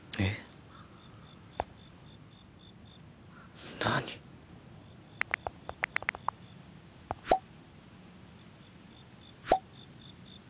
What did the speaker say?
えっ？